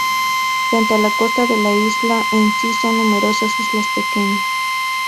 Frente a la costa de la isla en sí son numerosas islas pequeñas.